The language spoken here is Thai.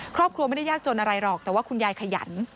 ครอบครัวไม่ได้ยากจนอะไรหรอกแต่ว่าคุณยายขยัน